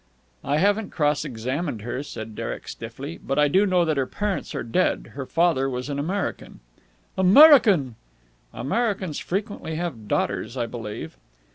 "I haven't cross examined her," said Derek stiffly. "But I do know that her parents are dead. Her father was an American." "American!" "Americans frequently have daughters, I believe."